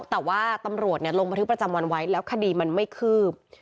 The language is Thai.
แต่ว่าตำรวจลงบันทึกประจำวันไว้แล้วคดีมันไม่คืบ